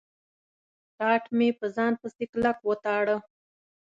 ټاټ مې په ځان پسې کلک و تاړه.